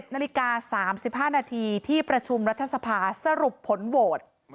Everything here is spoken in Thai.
นาฬิกา๓๕นาทีที่ประชุมรัฐสภาสรุปผลโหวต